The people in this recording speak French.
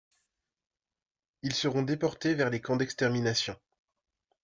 Ils seront déportés vers les camps d'extermination.